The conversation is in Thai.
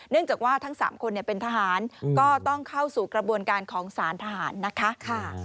จากว่าทั้ง๓คนเป็นทหารก็ต้องเข้าสู่กระบวนการของสารทหารนะคะ